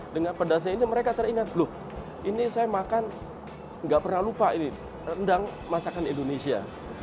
dengan pedasnya ini mereka teringat loh ini saya makan nggak pernah lupa ini rendang masakan indonesia